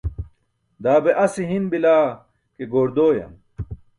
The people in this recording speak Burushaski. Daa be ase hin bila ke goor dooyam.